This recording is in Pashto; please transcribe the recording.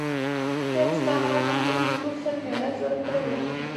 تېره شپه احمد له خپلو ملګرو سره مېله جوړه کړې وه.